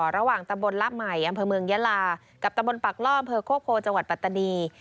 ระหว่างตะบลลับใหม่อำเภอเมืองยะลากับตะบลปากล่อท์เผอร์โครกโพย์จังหวัดปัตฐานี